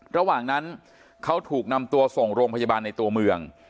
ระหว่างนั้นเขาถูกนำตัวส่งโรงพยาบาลในตัวเมือง